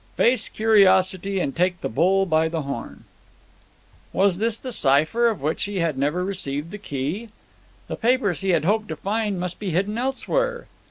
Face curiosity and take the bull by the horn." Was this the cipher, of which he had never received the key? The papers he had hoped to find must be hidden elsewhere.